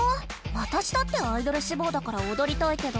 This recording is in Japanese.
わたしだってアイドルしぼうだからおどりたいけど。